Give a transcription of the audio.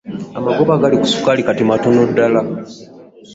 Amagoba agali ku ssukaali kati matono ddala.